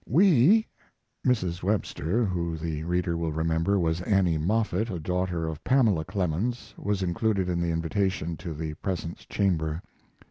We [Mrs. Webster, who, the reader will remember, was Annie Moffett, a daughter of Pamela Clemens, was included in the invitation to the Presence Chamber.